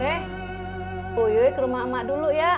be uyuy ke rumah emak dulu ya